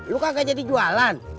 lu kagak jadi jualan